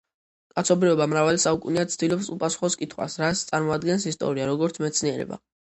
კაცობრიობა მრავალი საუკუნეა ცდილობს უპასუხოს კითხვას, რას წარმოადგენს ისტორია როგორც მეცნიერება.